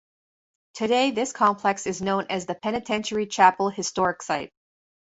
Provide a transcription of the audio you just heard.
Today this complex is known as the Penitentiary Chapel Historic Site.